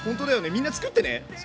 みんなつくってね！